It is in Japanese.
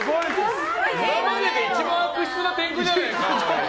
今までで一番悪質な天狗じゃないか。